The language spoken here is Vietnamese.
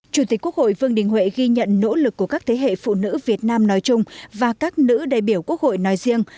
chủ tịch quốc hội vương đình huệ ghi nhận nỗ lực của các thế hệ phụ nữ việt nam nói chung và các nữ đại biểu quốc hội nói riêng